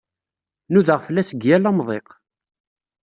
Nudaɣ fell-as deg yal amḍiq.